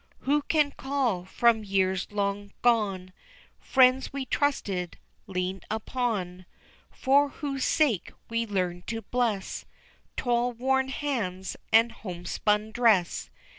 Who can call from years long gone, Friends we trusted, leaned upon; For whose sake we learned to bless Toilworn hands and homespun dress.